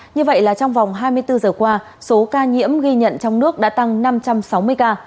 như vậy là trong vòng hai mươi bốn giờ qua số ca nhiễm ghi nhận trong nước đã tăng năm trăm sáu mươi ca